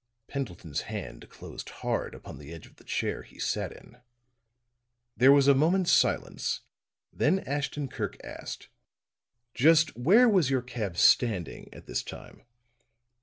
Pendleton's hand closed hard on the edge of the chair he sat in. There was a moment's silence; then Ashton Kirk asked: "Just where was your cab standing at this time?"